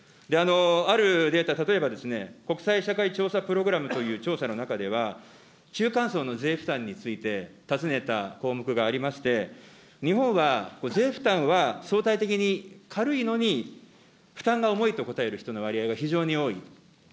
あるデータ、例えば国際社会調査プログラムという調査の中では、中間層の税負担について尋ねた項目がありまして、日本は、税負担は相対的に軽いのに、負担が重いと答える人の割合が非常に多い。